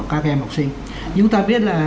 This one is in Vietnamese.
các em học sinh nhưng chúng ta biết là